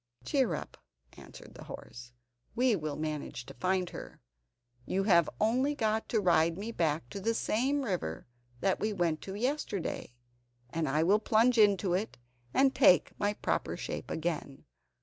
"Cheer up!" answered the horse, "we will manage to find her. You have only got to ride me back to the same river that we went to yesterday, and I will plunge into it and take my proper shape again.